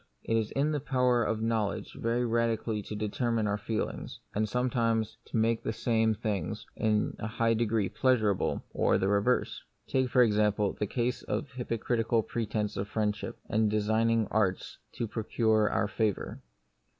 It is in the power of knowledge very radically to determine our feelings, and sometimes to make the same io The Mystery of Pain. things in a high degree pleasurable, or the re verse. Take, for example, the case of hypo critical pretence of friendship, and designing arts to procure our favour.